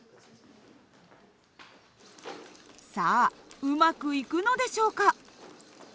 さあうまくいくのでしょうか？